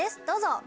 どうぞ！